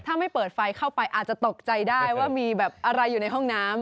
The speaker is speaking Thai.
ถ้าไม่เปิดไฟเข้าไปอาจจะตกใจได้ว่ามีแบบอะไรอยู่ในห้องน้ำ